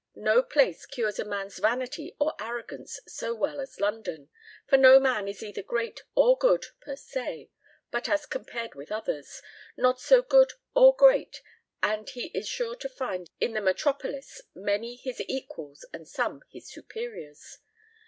No place cures a man's vanity or arrogance so well as London, for no man is either great or good, per se, but as compared with others, not so good or great, and he is sure to find in the metropolis many his equals and some his superiors....